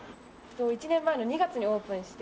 １年前の２月にオープンして。